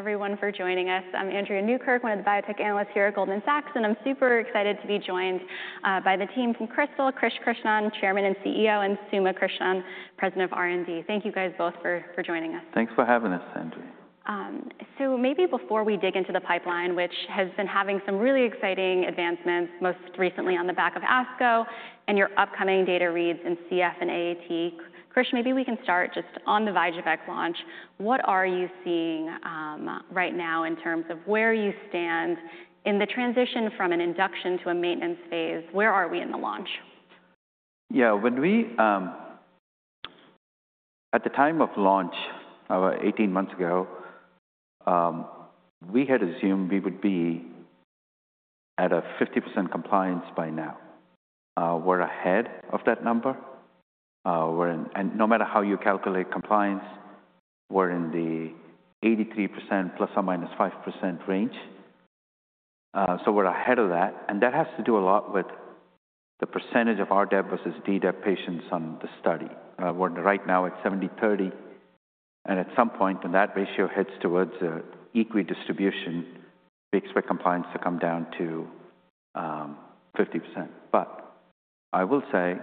Everyone for joining us. I'm Andrea Newkirk, one of the biotech analysts here at Goldman Sachs, and I'm super excited to be joined by the team from Krystal, Krish Krishnan, Chairman and CEO, and Suma Krishnan, President of R&D. Thank you guys both for joining us. Thanks for having us, Andrea. Maybe before we dig into the pipeline, which has been having some really exciting advancements, most recently on the back of ASCO and your upcoming data reads in CF and AAT. Krish, maybe we can start just on the Vyjuvek launch. What are you seeing right now in terms of where you stand in the transition from an induction to a maintenance phase? Where are we in the launch? Yeah, when we, at the time of launch, 18 months ago, we had assumed we would be at a 50% compliance by now. We're ahead of that number. No matter how you calculate compliance, we're in the 83% ±5% range. We're ahead of that. That has to do a lot with the percentage of RDEB versus DDEB patients on the study. We're right now at 70/30. At some point when that ratio heads towards an equidistribution, we expect compliance to come down to 50%. I will say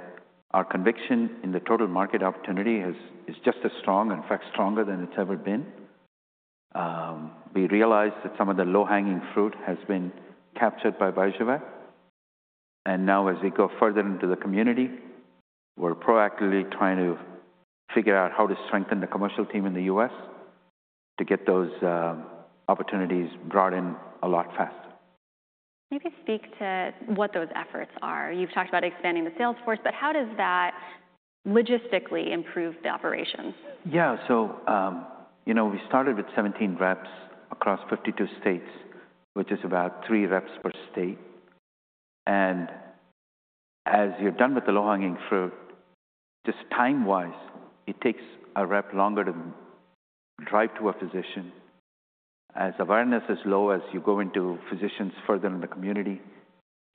our conviction in the total market opportunity is just as strong, in fact, stronger than it's ever been. We realized that some of the low-hanging fruit has been captured by Vyjuvek. As we go further into the community, we're proactively trying to figure out how to strengthen the commercial team in the U.S. to get those opportunities brought in a lot faster. Maybe speak to what those efforts are. You've talked about expanding the sales force, but how does that logistically improve the operations? Yeah, so we started with 17 reps across 52 states, which is about three reps per state. As you're done with the low-hanging fruit, just time-wise, it takes a rep longer to drive to a physician. As awareness is low, as you go into physicians further in the community,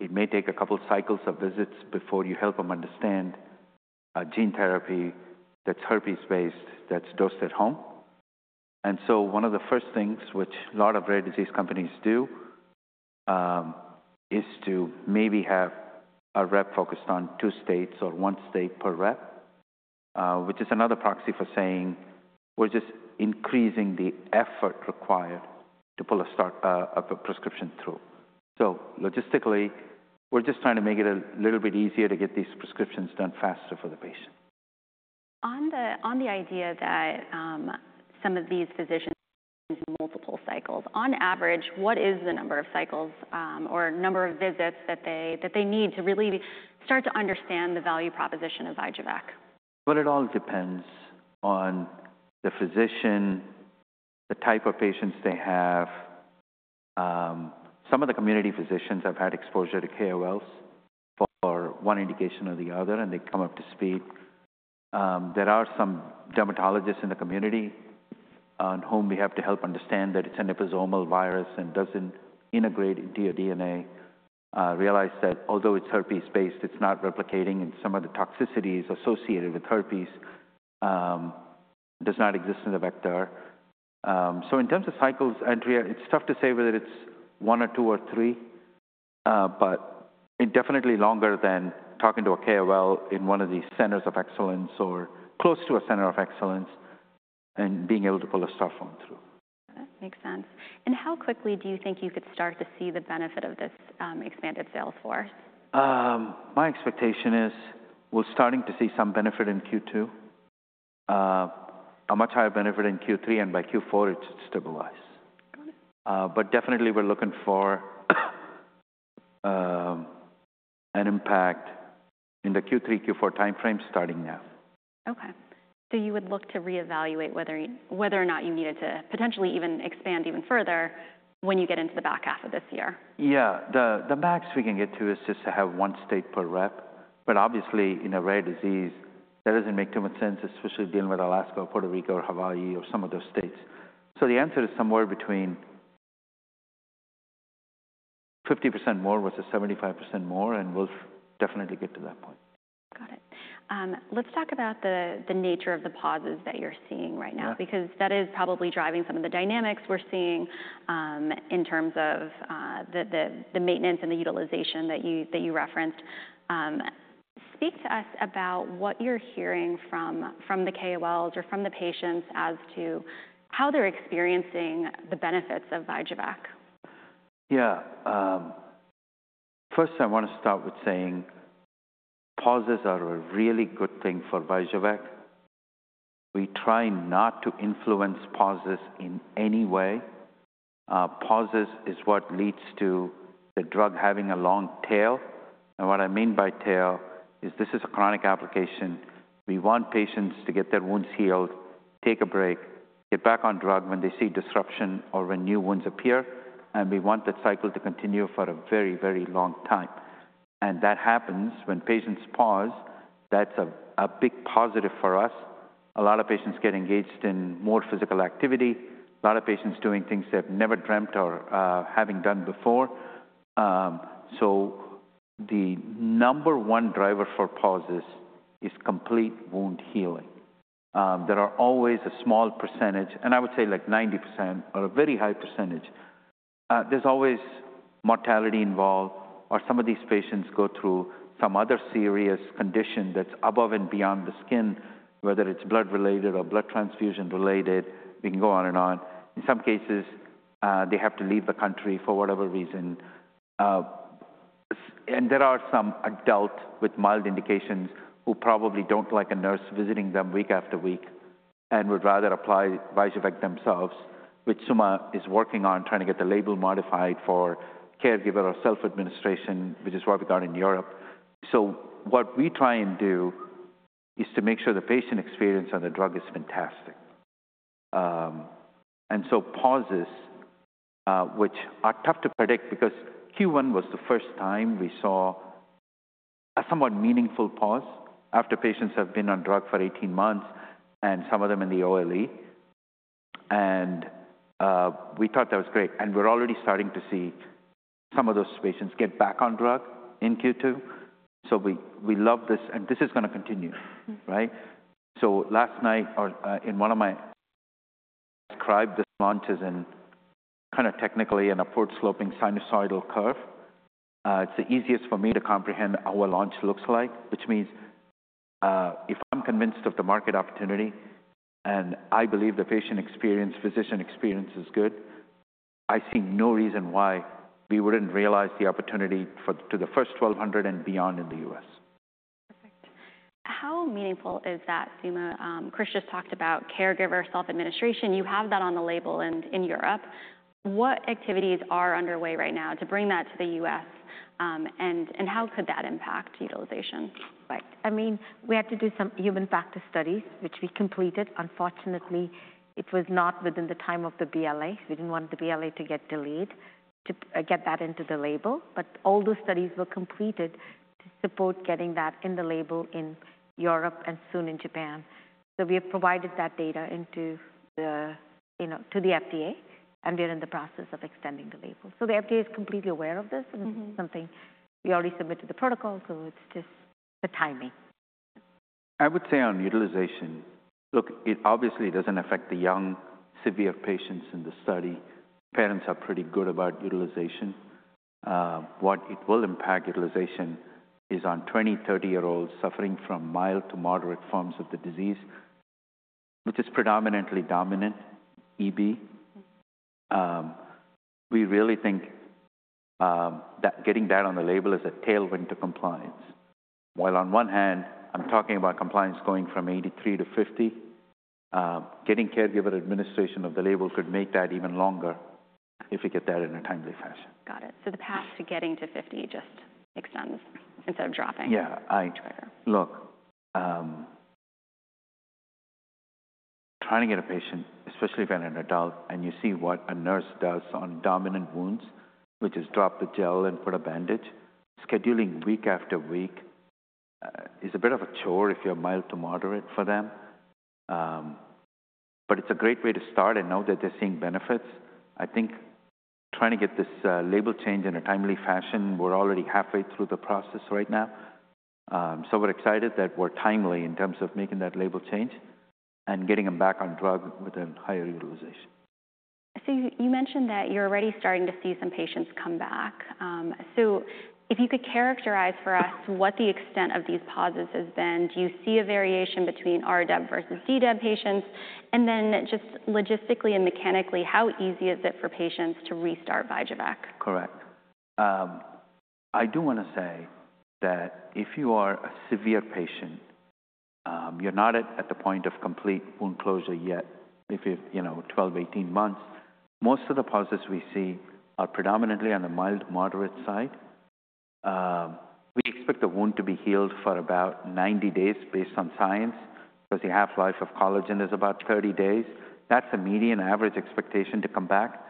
it may take a couple of cycles of visits before you help them understand a gene therapy that's herpes-based, that's dosed at home. One of the first things which a lot of rare disease companies do is to maybe have a rep focused on two states or one state per rep, which is another proxy for saying we're just increasing the effort required to pull a prescription through. Logistically, we're just trying to make it a little bit easier to get these prescriptions done faster for the patient. On the idea that some of these physicians use multiple cycles, on average, what is the number of cycles or number of visits that they need to really start to understand the value proposition of Vyjuvek? It all depends on the physician, the type of patients they have. Some of the community physicians have had exposure to KOLs for one indication or the other, and they come up to speed. There are some dermatologists in the community on whom we have to help understand that it's an epizoomal virus and doesn't integrate into your DNA. Realize that although it's herpes-based, it's not replicating, and some of the toxicities associated with herpes do not exist in the vector. In terms of cycles, Andrea, it's tough to say whether it's one or two or three, but it's definitely longer than talking to a KOL in one of these centers of excellence or close to a center of excellence and being able to pull a start form through. That makes sense. How quickly do you think you could start to see the benefit of this expanded sales force? My expectation is we're starting to see some benefit in Q2, a much higher benefit in Q3, and by Q4, it's stabilized. Definitely, we're looking for an impact in the Q3, Q4 timeframe starting now. Okay. So you would look to reevaluate whether or not you needed to potentially even expand even further when you get into the back half of this year? Yeah. The max we can get to is just to have one state per rep. Obviously, in a rare disease, that does not make too much sense, especially dealing with Alaska or Puerto Rico or Hawaii or some of those states. The answer is somewhere between 50% more versus 75% more, and we will definitely get to that point. Got it. Let's talk about the nature of the pauses that you're seeing right now, because that is probably driving some of the dynamics we're seeing in terms of the maintenance and the utilization that you referenced. Speak to us about what you're hearing from the KOLs or from the patients as to how they're experiencing the benefits of Vyjuvek. Yeah. First, I want to start with saying pauses are a really good thing for Vyjuvek. We try not to influence pauses in any way. Pauses is what leads to the drug having a long tail. What I mean by tail is this is a chronic application. We want patients to get their wounds healed, take a break, get back on drug when they see disruption or when new wounds appear. We want that cycle to continue for a very, very long time. That happens when patients pause. That's a big positive for us. A lot of patients get engaged in more physical activity. A lot of patients doing things they've never dreamt or haven't done before. The number one driver for pauses is complete wound healing. There are always a small percentage, and I would say like 90% or a very high percentage. There's always mortality involved, or some of these patients go through some other serious condition that's above and beyond the skin, whether it's blood-related or blood transfusion-related. We can go on and on. In some cases, they have to leave the country for whatever reason. There are some adults with mild indications who probably don't like a nurse visiting them week after week and would rather apply Vyjuvek themselves, which Suma is working on trying to get the label modified for caregiver or self-administration, which is what we got in Europe. What we try and do is to make sure the patient experience on the drug is fantastic. Pauses, which are tough to predict because Q1 was the first time we saw a somewhat meaningful pause after patients have been on drug for 18 months and some of them in the OLE. We thought that was great. We are already starting to see some of those patients get back on drug in Q2. We love this, and this is going to continue, right? Last night, in one of my... Describe this launch as kind of technically an upward-sloping sinusoidal curve. It is the easiest for me to comprehend how a launch looks like, which means if I am convinced of the market opportunity and I believe the patient experience, physician experience is good, I see no reason why we would not realize the opportunity to the first 1,200 and beyond in the U.S. Perfect. How meaningful is that, Suma? Krish just talked about caregiver self-administration. You have that on the label in Europe. What activities are underway right now to bring that to the U.S., and how could that impact utilization? I mean, we had to do some human factor studies, which we completed. Unfortunately, it was not within the time of the BLA. We did not want the BLA to get delayed to get that into the label. All those studies were completed to support getting that in the label in Europe and soon in Japan. We have provided that data to the FDA, and we are in the process of extending the label. The FDA is completely aware of this. This is something we already submitted the protocol, it is just the timing. I would say on utilization, look, it obviously does not affect the young, severe patients in the study. Parents are pretty good about utilization. What will impact utilization is on 20-30-year-olds suffering from mild to moderate forms of the disease, which is predominantly dominant EB. We really think that getting that on the label is a tailwind to compliance. While on one hand, I am talking about compliance going from 83% to 50%, getting caregiver administration on the label could make that even longer if we get that in a timely fashion. Got it. The path to getting to 50 just extends instead of dropping. Yeah. Look, trying to get a patient, especially if you're an adult, and you see what a nurse does on dominant wounds, which is drop the gel and put a bandage, scheduling week after week is a bit of a chore if you're mild to moderate for them. It is a great way to start, and now that they're seeing benefits, I think trying to get this label change in a timely fashion, we're already halfway through the process right now. We are excited that we're timely in terms of making that label change and getting them back on drug with a higher utilization. You mentioned that you're already starting to see some patients come back. If you could characterize for us what the extent of these pauses has been, do you see a variation between RDEB versus DDEB patients? Just logistically and mechanically, how easy is it for patients to restart Vyjuvek? Correct. I do want to say that if you are a severe patient, you're not at the point of complete wound closure yet if you're 12, 18 months. Most of the pauses we see are predominantly on the mild to moderate side. We expect the wound to be healed for about 90 days based on science because the half-life of collagen is about 30 days. That's a median average expectation to come back.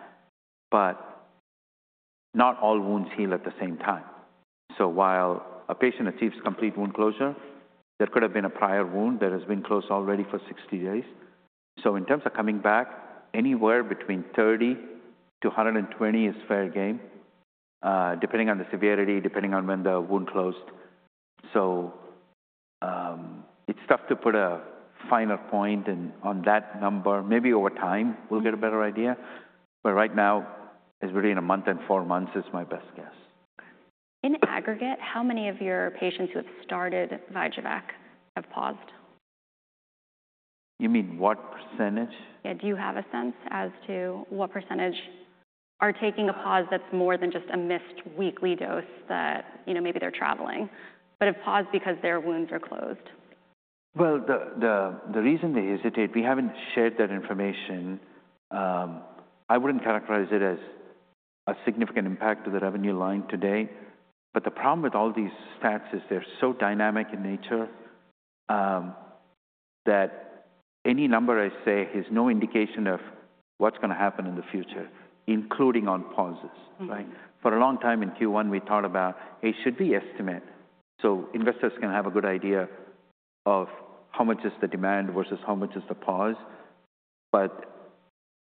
Not all wounds heal at the same time. While a patient achieves complete wound closure, there could have been a prior wound that has been closed already for 60 days. In terms of coming back, anywhere between 30-120 is fair game, depending on the severity, depending on when the wound closed. It's tough to put a final point on that number. Maybe over time, we'll get a better idea. Right now, it's really in a month and four months is my best guess. In aggregate, how many of your patients who have started Vyjuvek have paused? You mean what percentage? Yeah. Do you have a sense as to what percentage are taking a pause that's more than just a missed weekly dose, that maybe they're traveling, but have paused because their wounds are closed? The reason they hesitate, we haven't shared that information. I wouldn't characterize it as a significant impact to the revenue line today. The problem with all these stats is they're so dynamic in nature that any number I say has no indication of what's going to happen in the future, including on pauses, right? For a long time in Q1, we thought about it should be estimate, so investors can have a good idea of how much is the demand versus how much is the pause.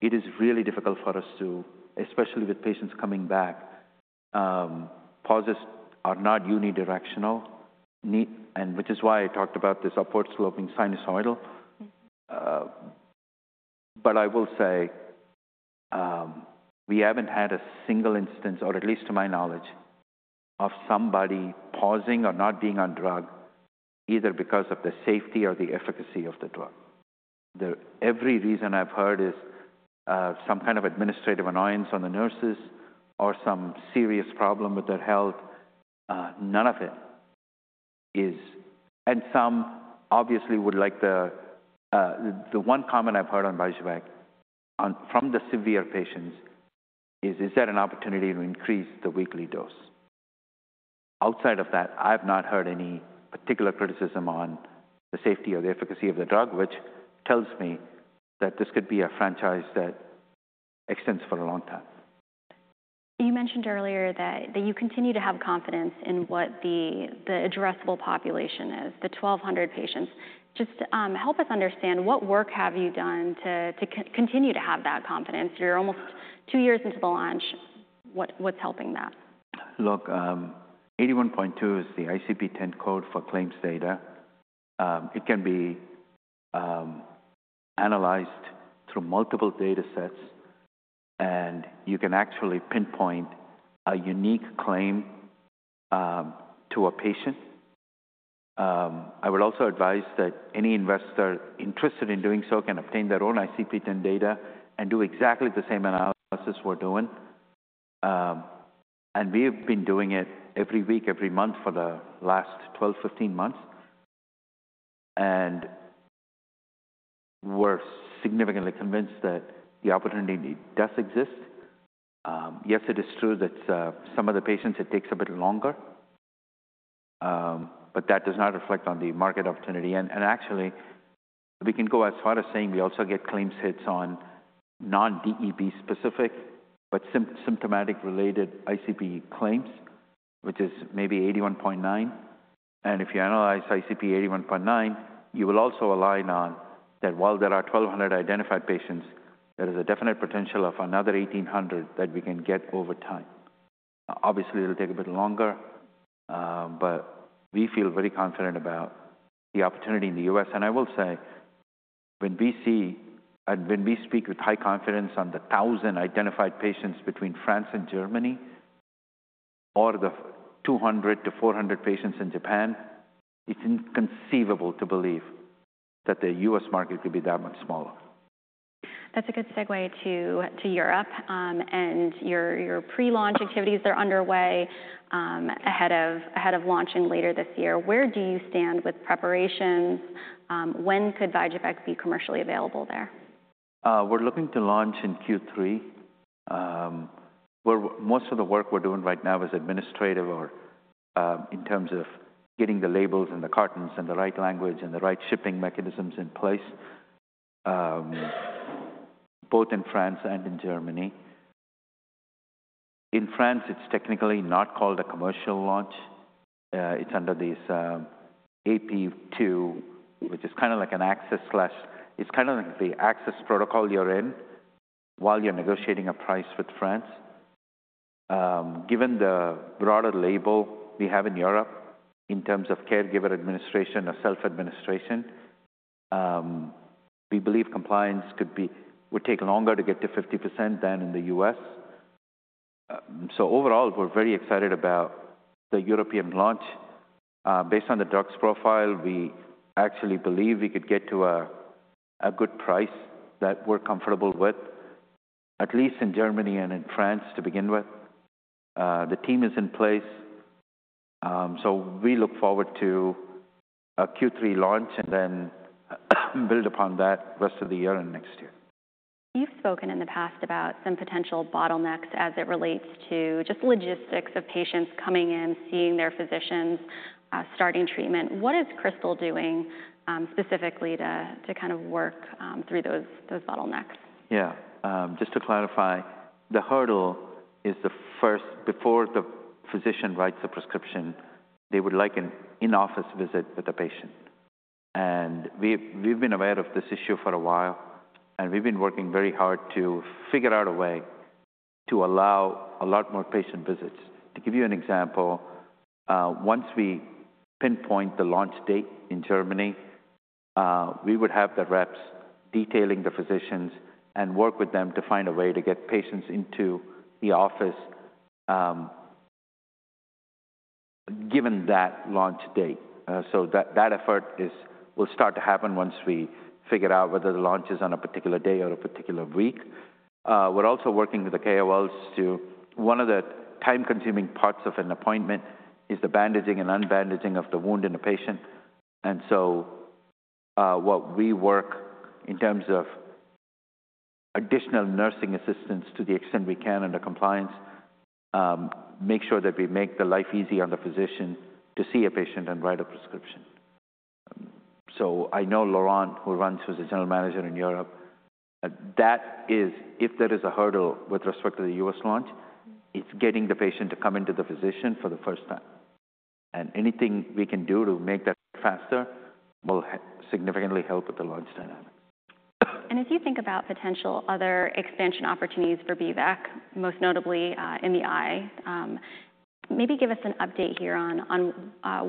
It is really difficult for us to, especially with patients coming back, pauses are not unidirectional, which is why I talked about this upward-sloping sinusoidal. I will say we haven't had a single instance, or at least to my knowledge, of somebody pausing or not being on drug either because of the safety or the efficacy of the drug. Every reason I've heard is some kind of administrative annoyance on the nurses or some serious problem with their health. None of it is. Some obviously would like the one comment I've heard on Vyjuvek from the severe patients is, "Is there an opportunity to increase the weekly dose?" Outside of that, I have not heard any particular criticism on the safety or the efficacy of the drug, which tells me that this could be a franchise that extends for a long time. You mentioned earlier that you continue to have confidence in what the addressable population is, the 1,200 patients. Just help us understand what work have you done to continue to have that confidence? You are almost two years into the launch. What is helping that? Look, 81.2 is the ICP-10 code for claims data. It can be analyzed through multiple data sets, and you can actually pinpoint a unique claim to a patient. I would also advise that any investor interested in doing so can obtain their own ICP-10 data and do exactly the same analysis we're doing. We have been doing it every week, every month for the last 12-15 months. We are significantly convinced that the opportunity does exist. Yes, it is true that some of the patients, it takes a bit longer, but that does not reflect on the market opportunity. Actually, we can go as far as saying we also get claims hits on non-DEB specific, but symptomatic-related ICP claims, which is maybe 81.9. If you analyze ICP-81.9, you will also align on that while there are 1,200 identified patients, there is a definite potential of another 1,800 that we can get over time. Obviously, it'll take a bit longer, but we feel very confident about the opportunity in the U.S. I will say when we see and when we speak with high confidence on the 1,000 identified patients between France and Germany or the 200-400 patients in Japan, it's inconceivable to believe that the U.S. market could be that much smaller. That's a good segue to Europe. And your pre-launch activities, they're underway ahead of launching later this year. Where do you stand with preparations? When could Vyjuvek be commercially available there? We're looking to launch in Q3. Most of the work we're doing right now is administrative or in terms of getting the labels and the cartons and the right language and the right shipping mechanisms in place, both in France and in Germany. In France, it's technically not called a commercial launch. It's under these ATU, which is kind of like an access/it's kind of like the access protocol you're in while you're negotiating a price with France. Given the broader label we have in Europe in terms of caregiver administration or self-administration, we believe compliance would take longer to get to 50% than in the U.S. Overall, we're very excited about the European launch. Based on the drug's profile, we actually believe we could get to a good price that we're comfortable with, at least in Germany and in France to begin with. The team is in place. We look forward to a Q3 launch and then build upon that rest of the year and next year. You've spoken in the past about some potential bottlenecks as it relates to just logistics of patients coming in, seeing their physicians, starting treatment. What is Krystal doing specifically to kind of work through those bottlenecks? Yeah. Just to clarify, the hurdle is the first before the physician writes a prescription, they would like an in-office visit with the patient. We've been aware of this issue for a while, and we've been working very hard to figure out a way to allow a lot more patient visits. To give you an example, once we pinpoint the launch date in Germany, we would have the reps detailing the physicians and work with them to find a way to get patients into the office given that launch date. That effort will start to happen once we figure out whether the launch is on a particular day or a particular week. We're also working with the KOLs. One of the time-consuming parts of an appointment is the bandaging and unbandaging of the wound in a patient. What we work in terms of additional nursing assistance to the extent we can under compliance, make sure that we make the life easy on the physician to see a patient and write a prescription. I know Laurent, who runs as General Manager in Europe, that if there is a hurdle with respect to the U.S. launch, it's getting the patient to come into the physician for the first time. Anything we can do to make that faster will significantly help with the launch dynamics. If you think about potential other expansion opportunities for BVEC, most notably in the eye, maybe give us an update here on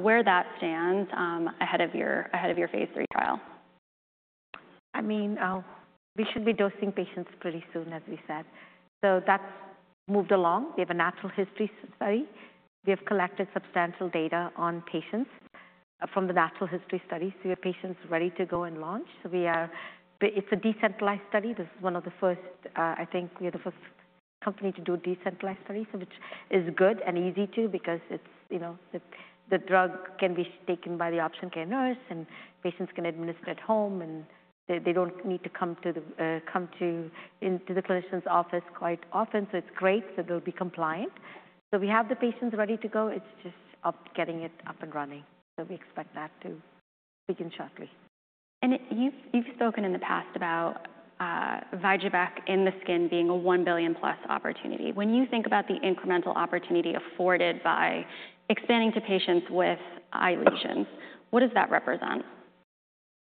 where that stands ahead of your phase III trial. I mean, we should be dosing patients pretty soon, as we said. That has moved along. We have a natural history study. We have collected substantial data on patients from the natural history study. We have patients ready to go and launch. It is a decentralized study. This is one of the first, I think we are the first company to do decentralized studies, which is good and easy too because the drug can be taken by the Option Care nurse, and patients can administer at home, and they do not need to come to the clinician's office quite often. It is great that they will be compliant. We have the patients ready to go. It is just getting it up and running. We expect that to begin shortly. You have spoken in the past about Vyjuvek in the skin being a $1 billion+ opportunity. When you think about the incremental opportunity afforded by expanding to patients with eye lesions, what does that represent?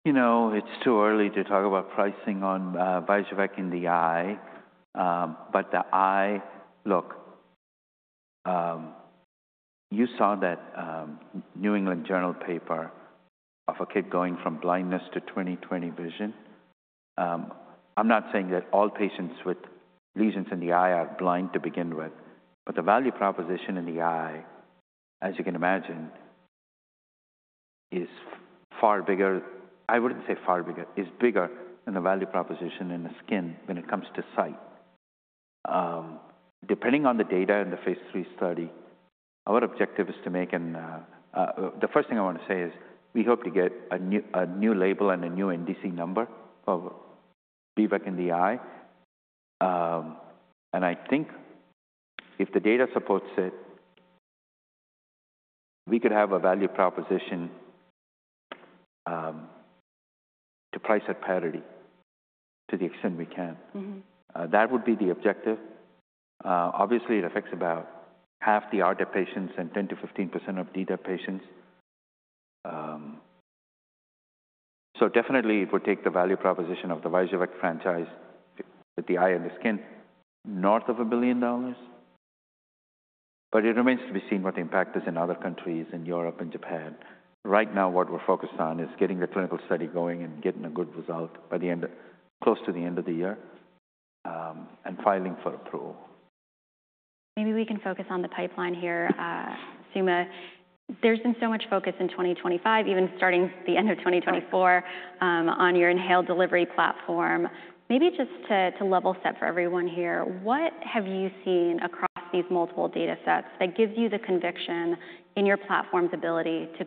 You know, it's too early to talk about pricing on Vyjuvek in the eye. But the eye, look, you saw that New England Journal paper of a kid going from blindness to 20/20 vision. I'm not saying that all patients with lesions in the eye are blind to begin with, but the value proposition in the eye, as you can imagine, is far bigger. I wouldn't say far bigger. It's bigger than the value proposition in the skin when it comes to sight. Depending on the data and the phase III study, our objective is to make an the first thing I want to say is we hope to get a new label and a new NDC number for BVEC in the eye. And I think if the data supports it, we could have a value proposition to price at parity to the extent we can. That would be the objective. Obviously, it affects about half the RDEB patients and 10%-15% of DDEB patients. So definitely, it would take the value proposition of the Vyjuvek franchise with the eye and the skin north of $1 billion. It remains to be seen what the impact is in other countries, in Europe and Japan. Right now, what we're focused on is getting the clinical study going and getting a good result by the end, close to the end of the year, and filing for approval. Maybe we can focus on the pipeline here, Suma. There has been so much focus in 2025, even starting the end of 2024, on your inhaled delivery platform. Maybe just to level set for everyone here, what have you seen across these multiple data sets that gives you the conviction in your platform's ability to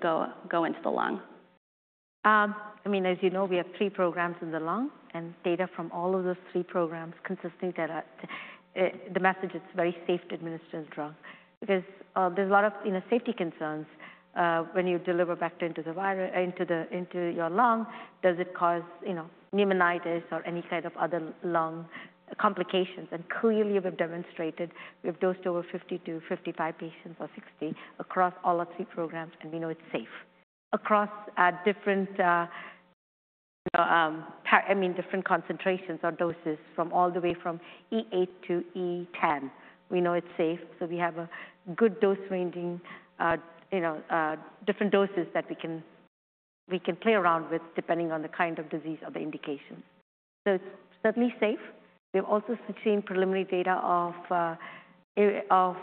go into the lung? I mean, as you know, we have three programs in the lung, and data from all of those three programs consisting that the message is very safe to administer the drug because there's a lot of safety concerns when you deliver vector into your lung. Does it cause pneumonitis or any kind of other lung complications? Clearly, we've demonstrated we've dosed over 50-55 patients or 60 across all our three programs, and we know it's safe. Across different, I mean, different concentrations or doses from all the way from E8-E10, we know it's safe. We have a good dose ranging, different doses that we can play around with depending on the kind of disease or the indication. It is certainly safe. We've also seen preliminary data of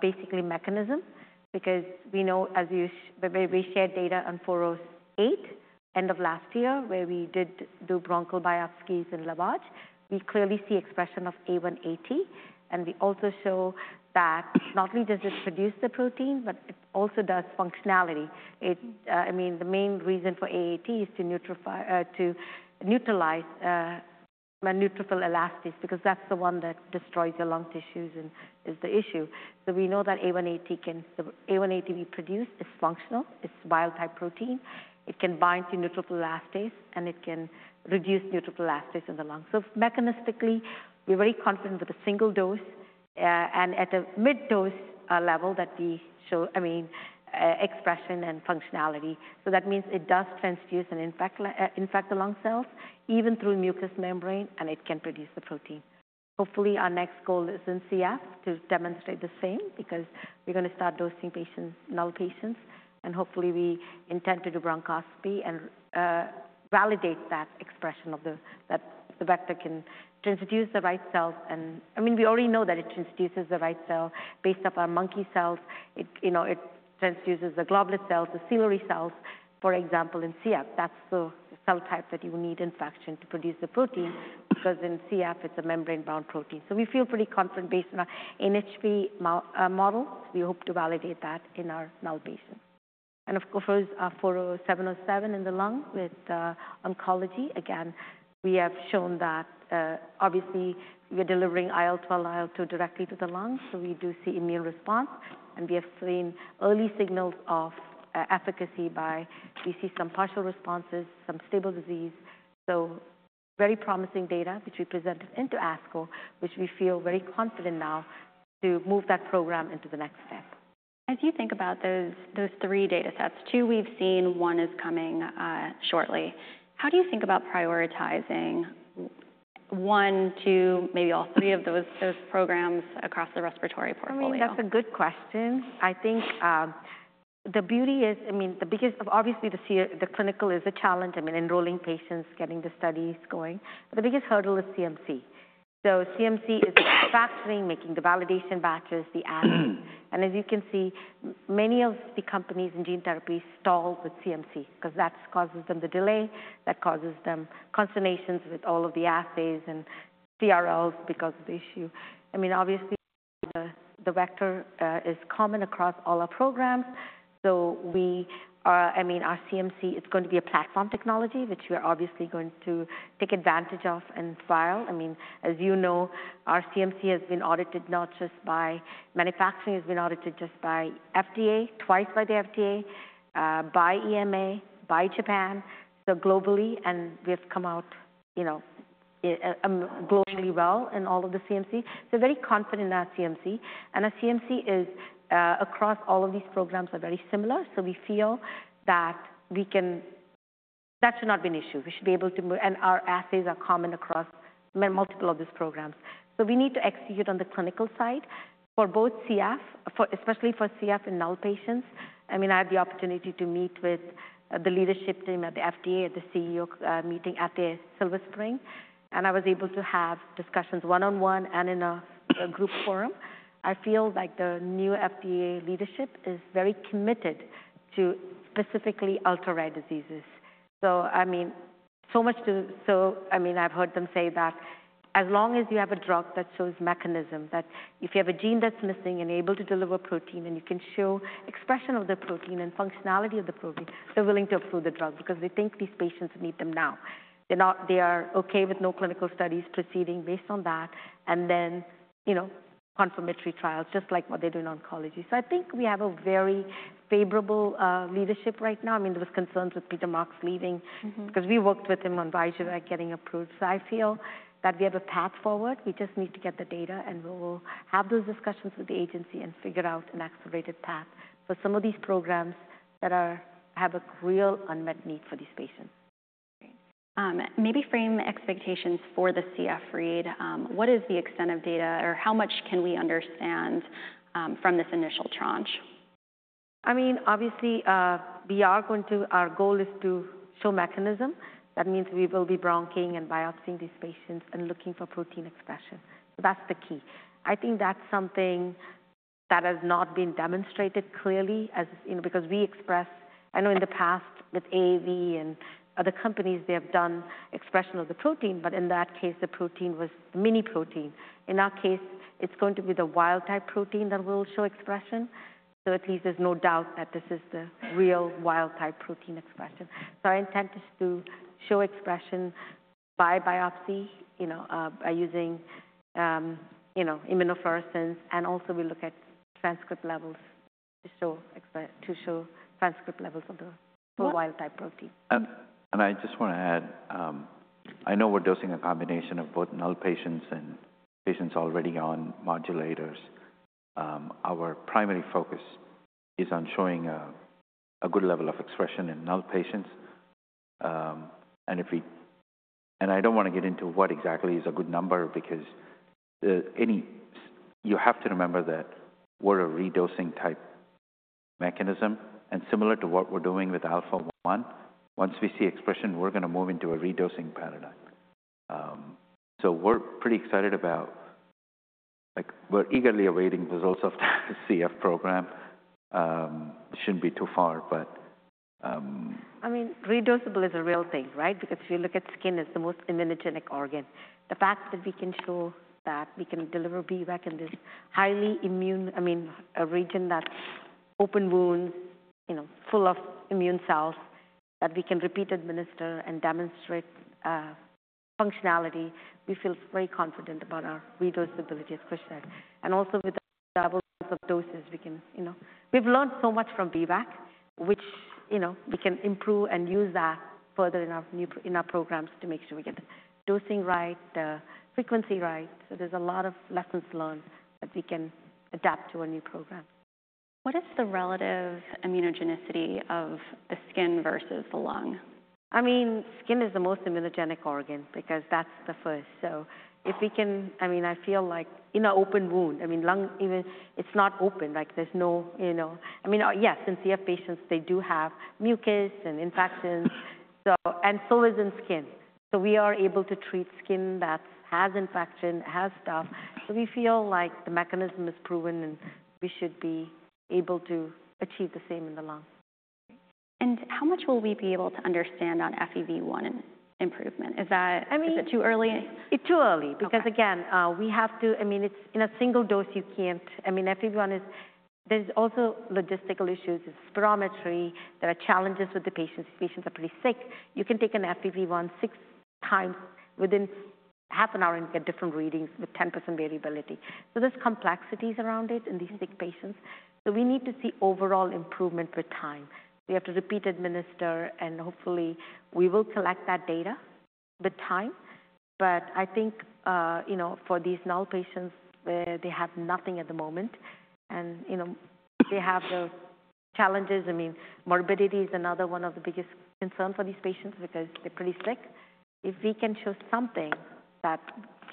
basically mechanism because we know as we shared data on 408 end of last year where we did do bronchial biopsies and lavage, we clearly see expression of A1AT. And we also show that not only does it produce the protein, but it also does functionality. I mean, the main reason for AAT is to neutralize neutrophil elastase because that's the one that destroys your lung tissues and is the issue. We know that A1AT can be produced, is functional, is wild-type protein. It can bind to neutrophil elastase, and it can reduce neutrophil elastase in the lung. Mechanistically, we're very confident with a single dose and at a mid-dose level that we show, I mean, expression and functionality. That means it does transfuse and infect the lung cells even through mucous membrane, and it can produce the protein. Hopefully, our next goal is in CF to demonstrate the same because we're going to start dosing patients, null patients, and hopefully, we intend to do bronchoscopy and validate that expression of the vector can transfuse the right cells. I mean, we already know that it transfuses the right cell based off our monkey cells. It transfuses the goblet cells, the ciliary cells, for example, in CF. That's the cell type that you need infection to produce the protein because in CF, it's a membrane-bound protein. We feel pretty confident based on our NHP model. We hope to validate that in our null patients. Of course, 40707 in the lung with oncology. Again, we have shown that obviously we're delivering IL-12, IL-2 directly to the lung. We do see immune response, and we have seen early signals of efficacy by we see some partial responses, some stable disease. Very promising data, which we presented into ASCO, which we feel very confident now to move that program into the next step. As you think about those three data sets, two we've seen, one is coming shortly. How do you think about prioritizing one, two, maybe all three of those programs across the respiratory portfolio? I mean, that's a good question. I think the beauty is, I mean, the biggest obviously the clinical is a challenge. I mean, enrolling patients, getting the studies going. The biggest hurdle is CMC. CMC is the factoring, making the validation batches, the assays. As you can see, many of the companies in gene therapy stall with CMC because that causes them the delay. That causes them consternations with all of the assays and CRLs because of the issue. I mean, obviously, the vector is common across all our programs. I mean, our CMC is going to be a platform technology, which we are obviously going to take advantage of and file. I mean, as you know, our CMC has been audited not just by manufacturing, has been audited just by FDA, twice by the FDA, by EMA, by Japan, so globally. We have come out globally well in all of the CMC. We are very confident in our CMC. Our CMC across all of these programs are very similar. We feel that that should not be an issue. We should be able to, and our assays are common across multiple of these programs. We need to execute on the clinical side for both CF, especially for CF in null patients. I mean, I had the opportunity to meet with the leadership team at the FDA, at the CEO meeting at Silver Spring. I was able to have discussions one-on-one and in a group forum. I feel like the new FDA leadership is very committed to specifically ultra-rare diseases. I mean, so much to, I mean, I've heard them say that as long as you have a drug that shows mechanism, that if you have a gene that's missing and able to deliver protein and you can show expression of the protein and functionality of the protein, they're willing to approve the drug because they think these patients need them now. They are okay with no clinical studies proceeding based on that and then confirmatory trials, just like what they do in oncology. I think we have a very favorable leadership right now. I mean, there were concerns with Peter Marks leaving because we worked with him on Vyjuvek getting approved. I feel that we have a path forward. We just need to get the data, and we'll have those discussions with the agency and figure out an accelerated path for some of these programs that have a real unmet need for these patients. Maybe frame expectations for the CF read. What is the extent of data or how much can we understand from this initial tranche? I mean, obviously, we are going to, our goal is to show mechanism. That means we will be bronching and biopsying these patients and looking for protein expression. That is the key. I think that is something that has not been demonstrated clearly, because we express, I know in the past with AAV and other companies, they have done expression of the protein, but in that case, the protein was the mini protein. In our case, it is going to be the wild-type protein that will show expression. At least there is no doubt that this is the real wild-type protein expression. Our intent is to show expression by biopsy by using immunofluorescence. Also, we look at transcript levels to show transcript levels of the wild-type protein. I just want to add, I know we're dosing a combination of both null patients and patients already on modulators. Our primary focus is on showing a good level of expression in null patients. I don't want to get into what exactly is a good number because you have to remember that we're a redosing type mechanism. Similar to what we're doing with AlphaOne, once we see expression, we're going to move into a redosing paradigm. We're pretty excited about it. We're eagerly awaiting results of the CF program. It shouldn't be too far. I mean, redosable is a real thing, right? Because if you look at skin, it's the most immunogenic organ. The fact that we can show that we can deliver BVEC in this highly immune, I mean, a region that's open wounds, full of immune cells that we can repeat administer and demonstrate functionality, we feel very confident about our redosability as Krishnan. Also with the levels of doses, we've learned so much from BVEC, which we can improve and use that further in our programs to make sure we get the dosing right, the frequency right. There's a lot of lessons learned that we can adapt to our new program. What is the relative immunogenicity of the skin versus the lung? I mean, skin is the most immunogenic organ because that's the first. If we can, I mean, I feel like in an open wound, I mean, lung, even it's not open. There's no, I mean, yes, in CF patients, they do have mucus and infections, and so is in skin. We are able to treat skin that has infection, has stuff. We feel like the mechanism is proven and we should be able to achieve the same in the lung. How much will we be able to understand on FEV1 improvement? Is that too early? It's too early because, again, we have to, I mean, it's in a single dose, you can't, I mean, FEV1 is, there's also logistical issues. It's spirometry. There are challenges with the patients. These patients are pretty sick. You can take an FEV1 six times within half an hour and get different readings with 10% variability. There are complexities around it in these sick patients. We need to see overall improvement with time. We have to repeat administer, and hopefully, we will collect that data with time. I think for these null patients, they have nothing at the moment. They have the challenges. Morbidity is another one of the biggest concerns for these patients because they're pretty sick. If we can show something that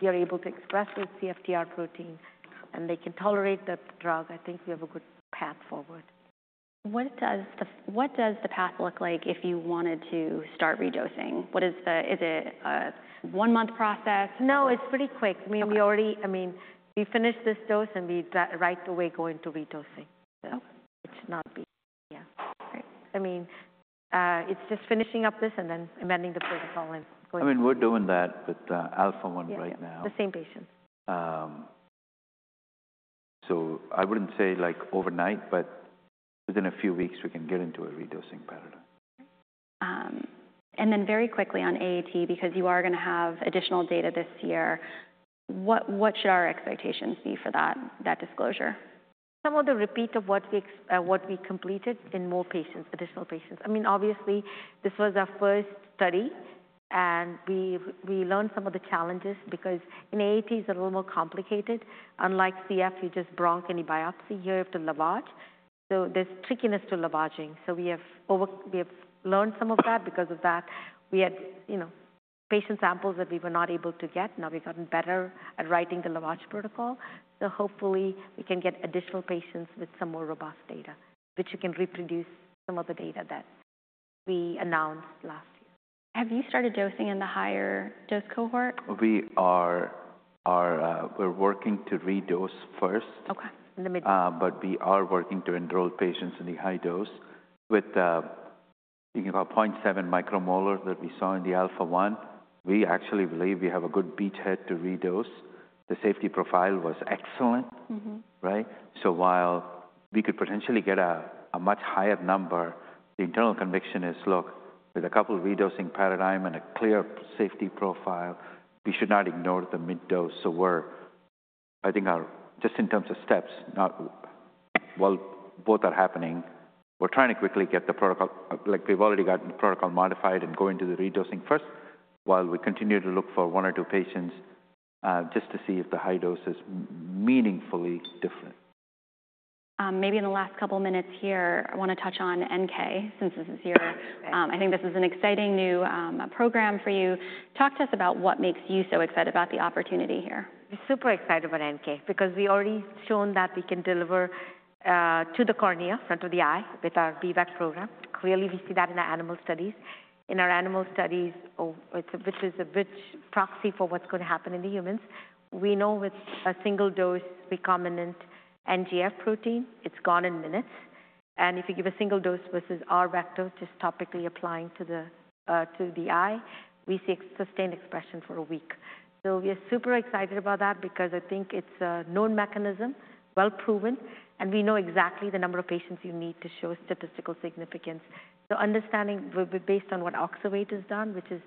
you're able to express with CFTR protein and they can tolerate the drug, I think we have a good path forward. What does the path look like if you wanted to start redosing? Is it a one-month process? No, it's pretty quick. I mean, we already, I mean, we finished this dose and we right away go into redosing. So it should not be, yeah. Great. I mean, it's just finishing up this and then amending the protocol and going. I mean, we're doing that with AlphaOne right now. The same patients. I would not say overnight, but within a few weeks, we can get into a redosing paradigm. Very quickly on AAT because you are going to have additional data this year. What should our expectations be for that disclosure? Some of the repeat of what we completed in more patients, additional patients. I mean, obviously, this was our first study, and we learned some of the challenges because in AAT, it's a little more complicated. Unlike CF, you just bronch and you biopsy here after lavage. There's trickiness to lavaging. We have learned some of that. Because of that, we had patient samples that we were not able to get. Now we've gotten better at writing the lavage protocol. Hopefully, we can get additional patients with some more robust data, which you can reproduce some of the data that we announced last year. Have you started dosing in the higher dose cohort? We are working to redose first. Okay. In the mid. We are working to enroll patients in the high dose with 0.7 micromolars that we saw in the AlphaOne. We actually believe we have a good beachhead to redose. The safety profile was excellent, right? While we could potentially get a much higher number, the internal conviction is, look, with a couple of redosing paradigm and a clear safety profile, we should not ignore the mid-dose. I think just in terms of steps, while both are happening, we're trying to quickly get the protocol. We've already gotten the protocol modified and go into the redosing first while we continue to look for one or two patients just to see if the high dose is meaningfully different. Maybe in the last couple of minutes here, I want to touch on NK since this is your. I think this is an exciting new program for you. Talk to us about what makes you so excited about the opportunity here. We're super excited about NK because we already shown that we can deliver to the cornea, front of the eye with our BVEC program. Clearly, we see that in our animal studies. In our animal studies, which is a rich proxy for what's going to happen in the humans, we know with a single dose recombinant NGF protein, it's gone in minutes. If you give a single dose versus our vector, just topically applying to the eye, we see sustained expression for a week. We are super excited about that because I think it's a known mechanism, well proven, and we know exactly the number of patients you need to show statistical significance. Understanding based on what Oxervate has done, which is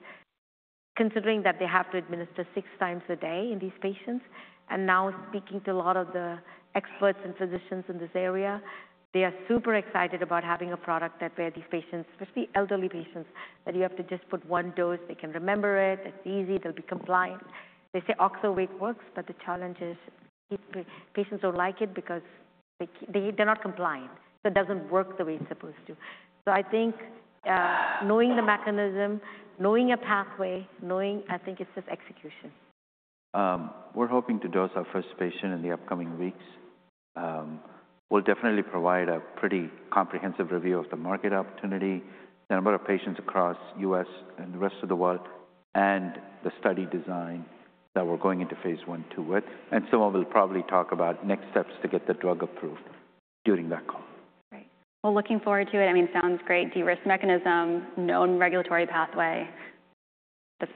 considering that they have to administer six times a day in these patients. Speaking to a lot of the experts and physicians in this area, they are super excited about having a product where these patients, especially elderly patients, that you have to just put one dose, they can remember it. It's easy. They'll be compliant. They say Oxervate works, but the challenge is patients don't like it because they're not compliant. So it doesn't work the way it's supposed to. I think knowing the mechanism, knowing a pathway, knowing, I think it's just execution. We're hoping to dose our first patient in the upcoming weeks. We'll definitely provide a pretty comprehensive review of the market opportunity, the number of patients across the U.S. and the rest of the world, and the study design that we're going into phase I/II with. Suma will probably talk about next steps to get the drug approved during that call. Great. Looking forward to it. I mean, sounds great. D-risk mechanism, known regulatory pathway. That's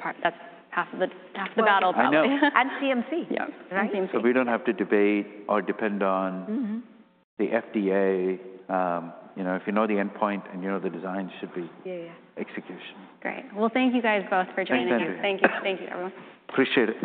half of the battle probably. And CMC. Yeah. So we don't have to debate or depend on the FDA. If you know the endpoint and you know the design, it should be execution. Great. Thank you guys both for joining in. Thank you. Thank you, everyone. Appreciate it.